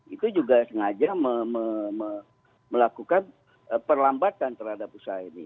itu juga sengaja melakukan perlambatan terhadap usaha ini